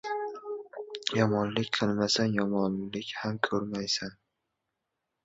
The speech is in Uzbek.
• Yomonlik qilmasang yomonlik ham ko‘rmaysan.